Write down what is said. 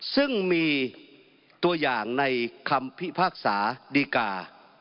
ซึ่งมีตัวอย่างในคำพิพากษาดีกา